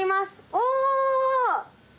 お！